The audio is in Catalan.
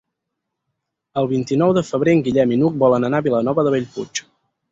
El vint-i-nou de febrer en Guillem i n'Hug volen anar a Vilanova de Bellpuig.